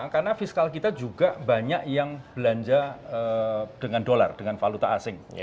karena fiskal kita juga banyak yang belanja dengan dolar dengan valuta asing